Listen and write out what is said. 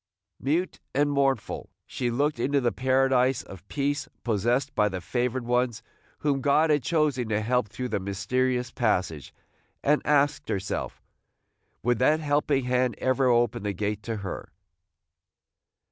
Mute and mournful she looked into the paradise of peace possessed by the favored ones whom God had chosen to help through the mysterious passage, and asked herself, would that helping hand ever open the gate to her?